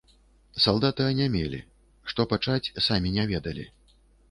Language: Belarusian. Салдаты анямелі, што пачаць, самі не ведалі.